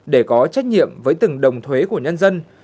để có trách nhiệm với từng đồng thuế của nhân dân